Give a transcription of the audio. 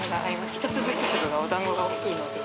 １粒１粒のおだんごが大きいので。